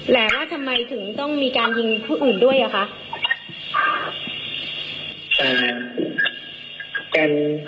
แหละว่าทำไมถึงต้องมีการยิงผู้อื่นด้วยอ่ะคะ